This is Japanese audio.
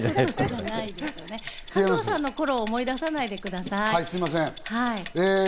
加藤さんの頃を思い出さないすみません、はい。